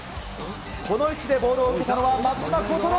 この位置でボールを受けたのは松島幸太朗。